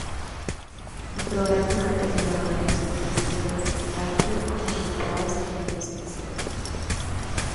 El programa ha tenido a varios artistas del espectáculo como invitados en varios episodios.